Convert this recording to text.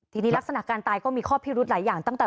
ทีนี้ลักษณะการตายก็มีข้อพิรุธหลายอย่างตั้งแต่